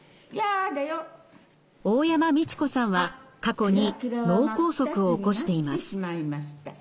大山実知子さんは過去に脳梗塞を起こしています。